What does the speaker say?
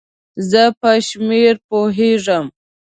زه په شمېر پوهیږم